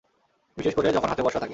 বিশেষ করে যখন হাতে বর্ষা থাকে।